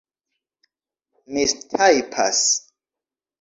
mistajpas